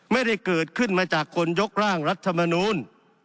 ไม่ได้เกิดขึ้นมาจากคนยกร่างรัฐมนูล